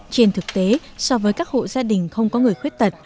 trên thực tế so với các hộ gia đình không có người khuyết tật